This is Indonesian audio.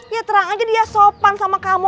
ya terang aja dia sopan sama kamu